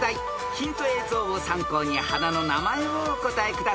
［ヒント映像を参考に花の名前をお答えください］